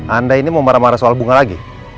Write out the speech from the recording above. anda ini mau marah marah soal bunga lagi